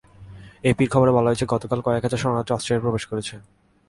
এপির খবরে বলা হয়, গতকাল কয়েক হাজার শরণার্থী অস্ট্রিয়ায় প্রবেশ করেছে।